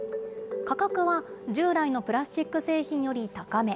価格は従来のプラスチック製品より高め。